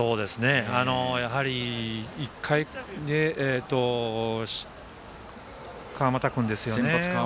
やはり１回で川又君ですよね